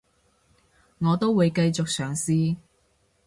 我都會繼續嘗試